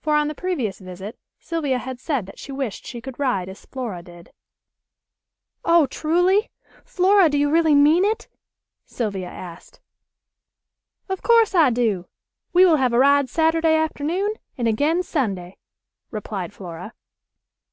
For on the previous visit Sylvia had said that she wished she could ride as Flora did. "Oh! Truly? Flora, do you really mean it?" Sylvia asked. "Of course I do. We will have a ride Saturday afternoon and again Sunday," replied Flora.